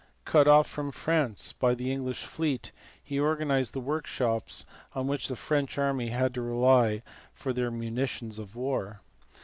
Cut off from France by the English fleet, he organized the workshops on which the French army had to rely for their munitions of war.